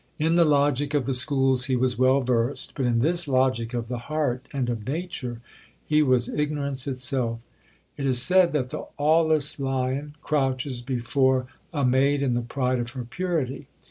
In the logic of the schools he was well versed, but in this logic of the heart and of nature, he was 'ignorance itself.' It is said, that the 'awless lion' crouches before 'a maid in the pride of her purity.'